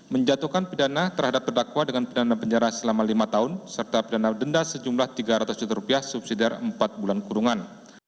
menjatuhkan pidana terhadap terdakwa dengan pidana penjara selama lima tahun serta pidana denda sejumlah tiga ratus juta rupiah subsidi dari empat bulan kurungan